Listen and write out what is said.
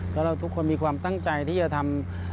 แล้วเราทุกคนมีความตั้งใจที่จะทำ